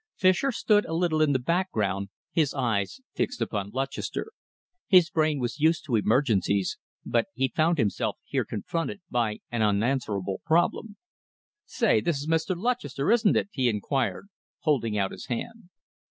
Fischer stood a little in the background, his eyes fixed upon Lutchester. His brain was used to emergencies, but he found himself here confronted by an unanswerable problem. "Say, this is Mr. Lutchester, isn't it?" he inquired, holding out his hand.